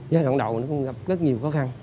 giai đoạn đạo gặp rất nhiều khó khăn